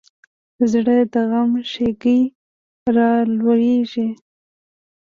زړه د غم شګې رالوېږي.